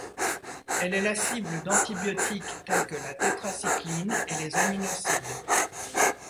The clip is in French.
Elle est la cible d'antibiotiques tels que la tétracycline et les aminosides.